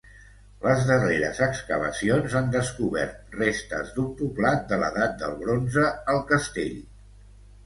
Les darreres excavacions han descobert restes d'un poblat de l'edat del bronze al castell.